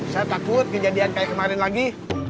saya takut kejadian kayak kemarin lagi